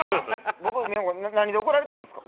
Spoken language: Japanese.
僕何で怒られてるんですか？